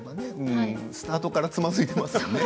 スタートからつまずいていますもんね。